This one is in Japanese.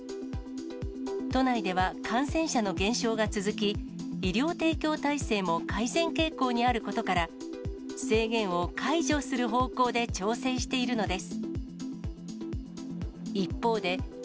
都内では感染者の減少が続き、医療提供体制も改善傾向にあることから、制限を解除する方向で調整しているのです。